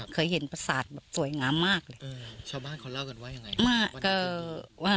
เคยเห็นประสาทแบบสวยงามมากเลยเออชาวบ้านเขาเล่ากันว่ายังไงมาก